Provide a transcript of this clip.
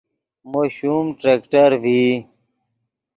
مو شوم ٹریکٹر ڤئی